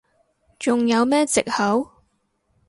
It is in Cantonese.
仲有咩藉口？